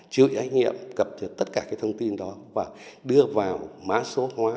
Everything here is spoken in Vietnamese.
chị ủy ánh nghiệm cập nhật tất cả thông tin đó và đưa vào má số hóa